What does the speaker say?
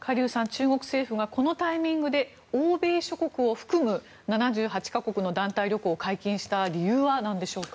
中国政府がこのタイミングで欧米諸国を含む７８か国の団体旅行を解禁した理由はなんでしょうか。